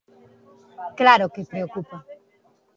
Claro que preocupa.